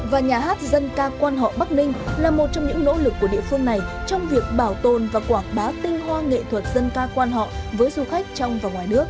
và nhà hát dân ca quan họ bắc ninh là một trong những nỗ lực của địa phương này trong việc bảo tồn và quảng bá tinh hoa nghệ thuật dân ca quan họ với du khách trong và ngoài nước